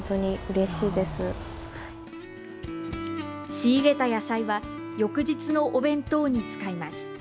仕入れた野菜は翌日のお弁当に使います。